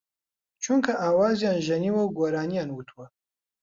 چونکە ئاوازیان ژەنیوە و گۆرانییان وتووە